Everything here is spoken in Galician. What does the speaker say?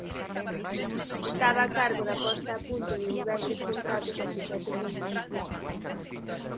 Estaba a cargo da posta a punto de diversos contratos e proxectos de investimento.